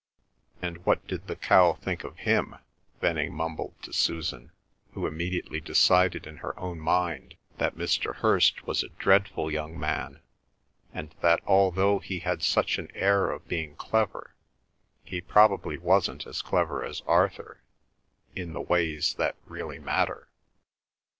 "And what did the cow think of him?" Venning mumbled to Susan, who immediately decided in her own mind that Mr. Hirst was a dreadful young man, and that although he had such an air of being clever he probably wasn't as clever as Arthur, in the ways that really matter.